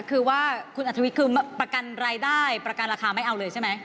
คือว่าคุณอัธวิทย์คือประกันรายได้ประกันราคาไม่เอาเลยใช่ไหม